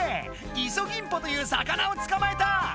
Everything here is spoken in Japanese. イソギンポという魚をつかまえた！